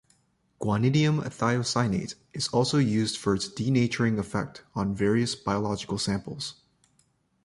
Guanidinium thiocyanate is also used for its denaturing effect on various biological samples.